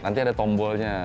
nanti ada tombolnya